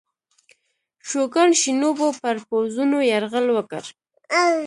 شوګان شینوبو پر پوځونو یرغل وکړ.